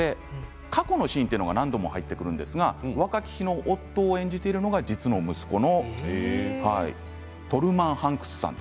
過去のシーンが何度も入ってくるんですが若き日のオットーを演じているのが、実の息子のトルーマン・ハンクスさんです。